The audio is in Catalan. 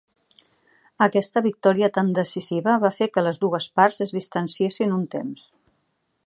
Aquesta victòria tan decisiva va fer que les dues parts es distanciessin un temps.